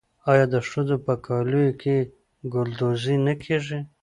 آیا د ښځو په کالیو کې ګلدوزي نه کیږي؟